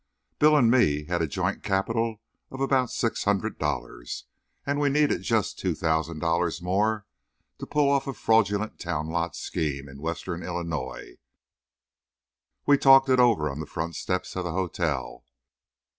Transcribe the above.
Bill and me had a joint capital of about six hundred dollars, and we needed just two thousand dollars more to pull off a fraudulent town lot scheme in Western Illinois with. We talked it over on the front steps of the hotel.